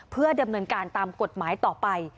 เพื่อดำเนินการตามกฎหมายต่อไป